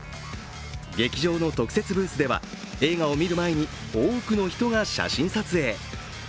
劇場の特設ブースでは映画を観る前に多くの人が写真撮影。